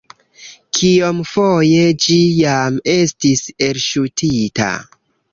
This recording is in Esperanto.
Kiomfoje ĝi jam estis elŝutita?